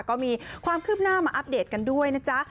ก็มีความคืบหน้ามาอัปเดตกันด้วยนะจ๊ะ